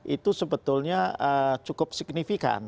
itu sebetulnya cukup signifikan